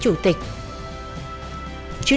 chứa nói với các bạn